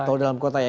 tol dalam kota ya